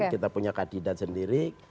kita punya kadidat sendiri